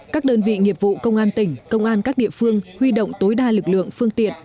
các đơn vị nghiệp vụ công an tỉnh công an các địa phương huy động tối đa lực lượng phương tiện